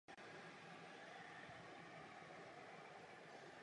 O dva roky později spolu vykonali cestu do Albánie a Řecka.